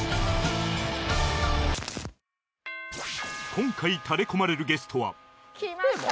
今回タレこまれるゲストは来ました！